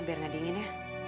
biar gak dingin ya